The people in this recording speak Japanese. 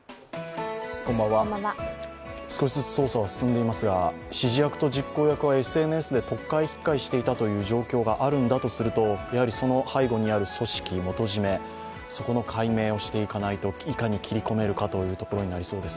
少しずつ捜査は進んでいますが、指示役と実行役はＳＮＳでとっかえひっかえしていた状況があるんだとするとその背後にある組織、元締めの解明をしていかないと、いかに切り込めるかというところになりそうです。